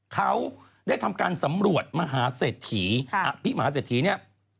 เขาได้ทำการสำรวจมหาเศรษฐีอภิมหาเศรษฐีเนี่ย